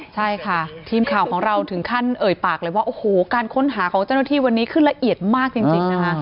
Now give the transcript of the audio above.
ใช่ค่ะทีมข่าวของเราถึงขั้นเอ่ยปากเลยว่าโอ้โหการค้นหาของเจ้าหน้าที่วันนี้ขึ้นละเอียดมากจริงนะคะ